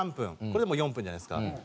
これでもう４分じゃないですか。